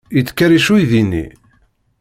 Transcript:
Yettkerric uydi-nni?